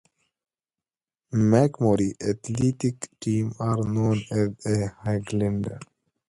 MacMurray's athletic teams are known as the Highlanders.